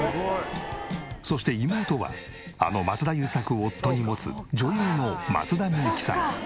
そして妹はあの松田優作を夫に持つ女優の松田美由紀さん。